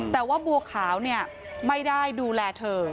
แต่ว่าบัวขาวไม่ได้ดูแลเธอ